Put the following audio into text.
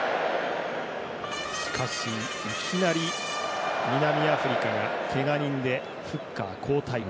しかし、いきなり南アフリカがけが人でフッカー交代。